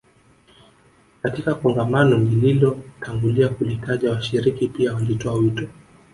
Katika kongamano nililotangulia kulitaja washiriki pia walitoa wito